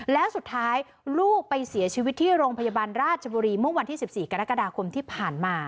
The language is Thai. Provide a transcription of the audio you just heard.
แล้วสุดท้ายลูกไปเสียชีวิตที่โรงพยาบาลราชบุรีเมื่อวันที่๑๔กรกฎาคมที่ผ่านมา